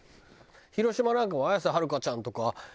広島なんかも綾瀬はるかちゃんとかいたってさ